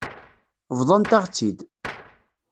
Bḍant-aɣ-tt-id.